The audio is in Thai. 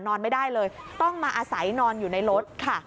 นอนไม่ได้เลยต้องมาอาศัยนอนอยู่ในรถค่ะ